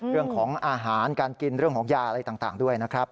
เรื่องของอาหารการกินเรื่องของยาอะไรต่างด้วยนะครับ